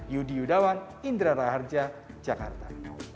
yudi yudawan indra raharja jakarta